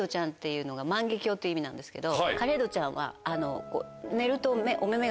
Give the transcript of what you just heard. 万華鏡っていう意味なんですけどカレイドちゃんは。